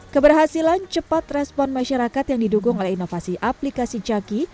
keberhasilan cepat respon masyarakat yang didukung oleh inovasi aplikasi jaki